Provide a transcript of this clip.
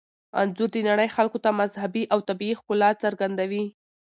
انځور د نړۍ خلکو ته مذهبي او طبیعي ښکلا څرګندوي.